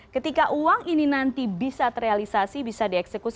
ketika uang ini nanti bisa terrealisasi bisa dieksekusi